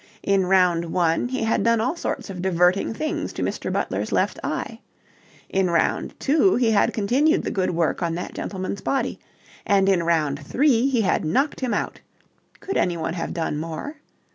In round one he had done all sorts of diverting things to Mr. Butler's left eye: in round two he had continued the good work on that gentleman's body; and in round three he had knocked him out. Could anyone have done more?